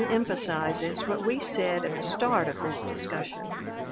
WATTS 193 emphasizes what we said at the start of this discus sion.